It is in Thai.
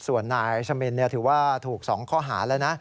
ส่วนนายสมินถือว่าถูก๒ข้อหาแล้วนะ